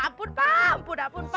ampun pak ampun pak